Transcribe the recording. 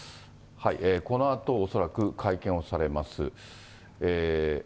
このあと、恐らく会見をされます。